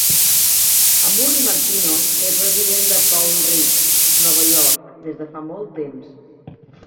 Amurri Martino és resident de Pound Ridge, Nova York des de fa molt temps.